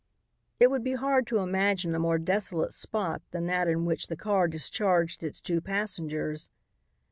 It would be hard to imagine a more desolate spot than that in which the car discharged its two passengers.